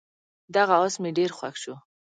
دغه اس مې ډېر خوښ شو.